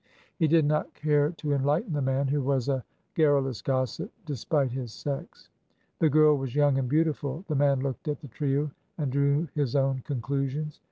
He did not care to enlighten the man, who was a gar rulous gossip, despite his sex. The girl was young and beautiful. The man looked at the trio and drew his own conclusions.